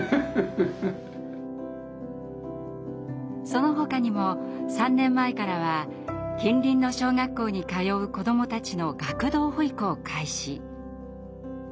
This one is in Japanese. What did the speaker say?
そのほかにも３年前からは近隣の小学校に通う子どもたちの学童保育を開始。